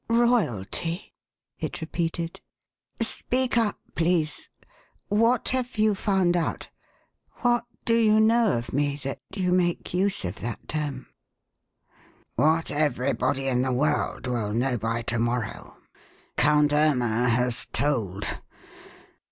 "Royalty?" it repeated. "Speak up, please. What have you found out? What do you know of me that you make use of that term?" "What everybody in the world will know by to morrow. Count Irma has told!